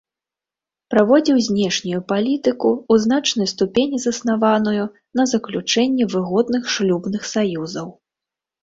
Праводзіў знешнюю палітыку, у значнай ступені заснаваную на заключэнні выгодных шлюбных саюзаў.